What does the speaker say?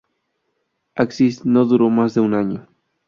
Axis no duró más de un año.